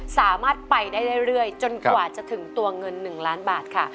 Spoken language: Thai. สามารถไปได้เรื่อยจนกว่าจะถึงตัวเงิน๑ล้านบาทค่ะ